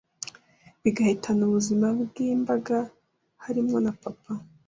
bigahitana ubuzima bw’imbaga harimo na papa,